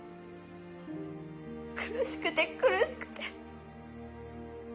苦しくて苦しくて。